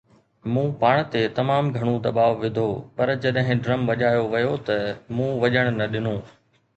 مون پاڻ تي تمام گهڻو دٻاءُ وڌو، پر جڏهن ڊرم وڄايو ويو ته مون وڃڻ نه ڏنو